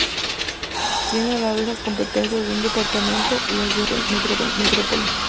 Tiene a la vez las competencias de un departamento y las de una metrópoli.